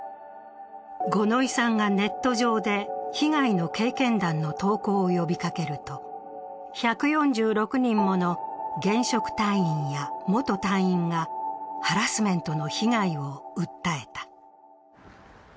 五ノ井さんがネット上で被害の経験談の投稿を呼びかけると、１４６人もの現職隊員や元隊員がハラスメントの被害を訴えた。